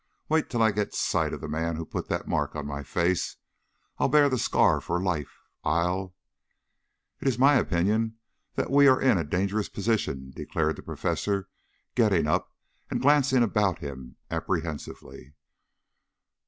Wait till I get sight of the man who put that mark on my face. I'll bear the scar for life. I " "It is my opinion that we are in a dangerous position," declared the professor, getting up and glancing about him apprehensively.